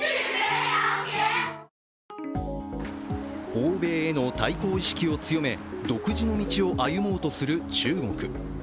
欧米への対抗意識を強め、独自の道を歩もうとする中国。